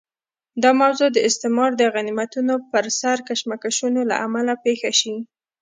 دا موضوع د استعمار د غنیمتونو پر سر کشمکشونو له امله پېښه شي.